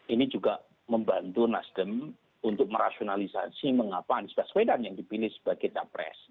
ini juga membantu nasdem untuk merasionalisasi mengapa anies baswedan yang dipilih sebagai capres